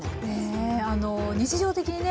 日常的にね